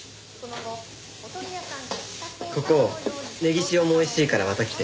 ここネギ塩もおいしいからまた来て。